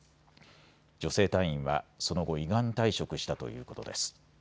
女性隊員はその後、依願退職したということです。